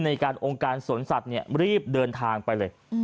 ในการองค์การสวนสัตว์เนี่ยรีบเดินทางไปเลย